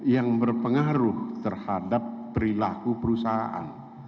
yang berpengaruh terhadap perilaku perusahaan